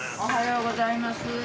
おはようございます！